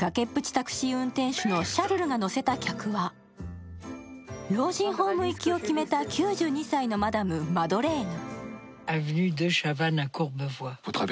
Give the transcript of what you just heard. タクシー運転手のシャルルが乗せた客は老人ホーム行きを決めた９２歳のマダム、マドレーヌ。